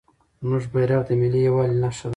زموږ بیرغ د ملي یووالي نښه ده.